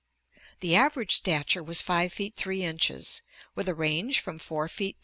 The average stature was 5 feet 3 inches, with a range from 4 feet 10.